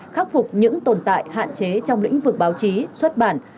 khắc phục những tồn tại hạn chế trong lĩnh vực báo chí xuất bản